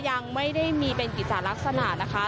ยังไม่ได้มีเป็นกิจจารักษณะนะคะ